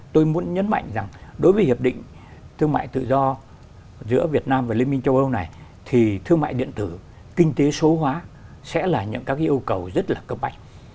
tôi muốn nhấn mạnh rằng đối với hiệp định thương mại tự do giữa việt nam và liên minh châu âu này thì thương mại điện tử kinh tế số hóa sẽ là những các yêu cầu rất là cấp bách